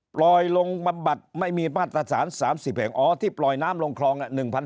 ปล่อยลงบำบัดไม่มีมาตรฐาน๓๐แห่งอ๋อที่ปล่อยน้ำลงคลอง